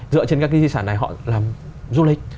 dựa trên các cái di sản này họ làm du lịch